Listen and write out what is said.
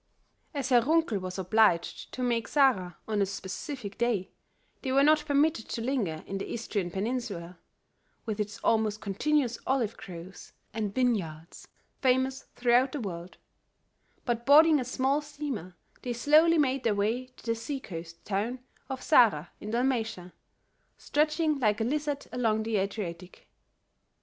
As Herr Runkel was obliged to make Zara on a specified day, they were not permitted to linger in the Istrian peninsula, with its almost continuous olive groves and vineyards, famous throughout the world; but boarding a small steamer they slowly made their way to the sea coast town of Zara in Dalmatia, stretching like a lizard along the Adriatic.